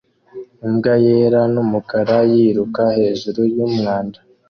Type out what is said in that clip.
Imbwa yera n'umukara yiruka hejuru yumwanda